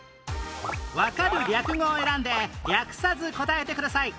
わかる略語を選んで略さず答えてください